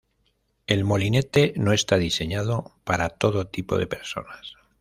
El molinete no está diseñado para todo tipo de personas.